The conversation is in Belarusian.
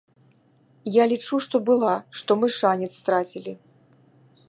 Я лічу, што была, што мы шанец страцілі.